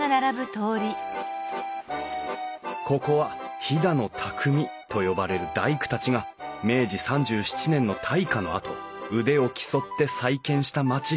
ここは飛騨の匠と呼ばれる大工たちが明治３７年の大火のあと腕を競って再建した町。